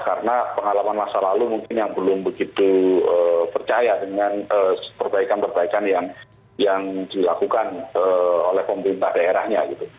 karena pengalaman masa lalu mungkin yang belum begitu percaya dengan perbaikan perbaikan yang dilakukan oleh pemerintah daerahnya